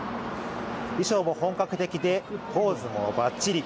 衣装も本格的で、ポーズもバッチリ。